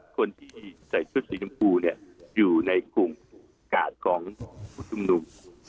คนที่ใส่ชุดสีชมพูอยู่ในกรุงกาดของทหลุม